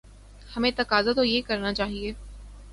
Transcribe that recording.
ہمیں تقاضا تو یہ کرنا چاہیے۔